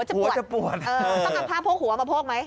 หัวจะปวดเออต้องกำพราบพวกหัวมาพกไหม